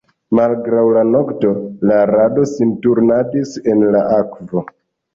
Malgraŭ la nokto la rado sin turnadis en la akvo.